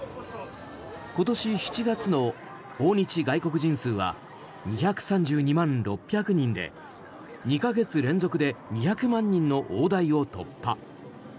今年７月の訪日外国人数は２３２万６００人で２か月連続で２００万人の大台を突破。